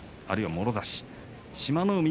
あるいはもろ差し志摩ノ